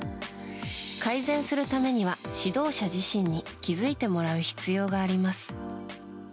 改善するためには指導者自身に気づいてもらう必要があります。